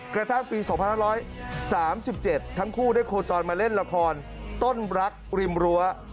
กระทั่งปี๒๕๓๗ทั้งคู่ได้โคจรมาเล่นละครต้นรักริมรั้ว